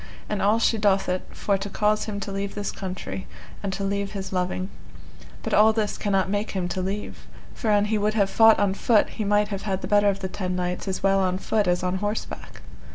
And all she doth it for to cause him to leave this country, and to leave his loving; but all this cannot make him to leave, for an he would have fought on foot he might have had the better of the ten knights as well on foot as on horseback.